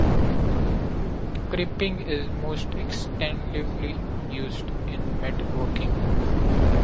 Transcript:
Crimping is most extensively used in metalworking.